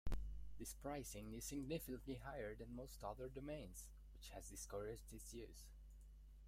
This pricing is significantly higher than most other domains, which has discouraged its use.